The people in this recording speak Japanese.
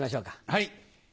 はい。